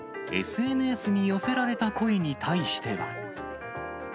ＳＮＳに寄せられた声に対しては。